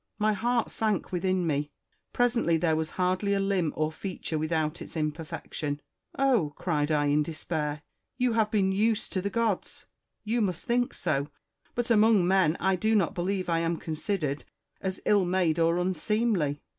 My heart sank within me. Presently there was hardly a limb or feature without its imperfection. * Oh !' cried I in despair, ' you have been used to the gods ; you must think so : but among men I do not believe I am considered as ill made or unseemly.'